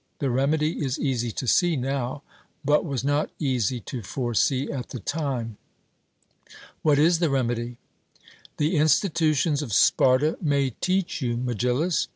the remedy is easy to see now, but was not easy to foresee at the time. 'What is the remedy?' The institutions of Sparta may teach you, Megillus.